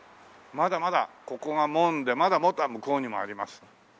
まだまだここが門でまだもっと向こうにもあります。